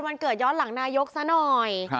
แก่อย้อนหลังนายกซะหน่อย